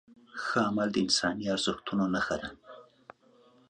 ښه عمل د انساني ارزښتونو نښه ده.